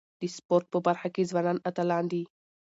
د سپورت په برخه کي ځوانان اتلان دي.